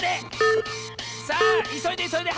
さあいそいでいそいで！